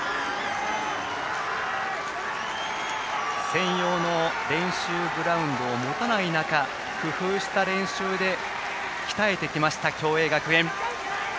専用の練習グラウンドを持たない中工夫した練習で鍛えてきました共栄学園。